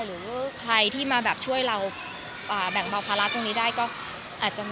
หรือใครที่มาแบบช่วยเราแบ่งเบาภาระตรงนี้ได้ก็อาจจะ